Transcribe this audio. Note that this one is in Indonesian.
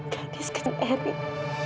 gadis kecil erik